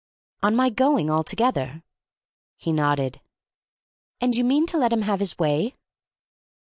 "On my going altogether?" He nodded. "And you mean to let him have his way?"